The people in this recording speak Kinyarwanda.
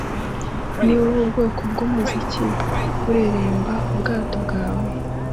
Niba ubu bwoko bwumuziki bureremba ubwato bwawe,